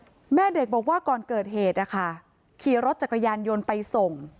แม่เด็กบอกว่าก่อนเกิดเหตุนะคะขี่รถจักรยานยนต์ไปส่ง